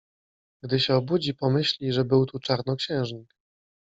Gdy się obudzi, pomyśli, że był tu czarnoksiężnik.